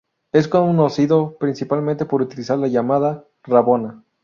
Es conocido principalmente por utilizar la llamada "rabona".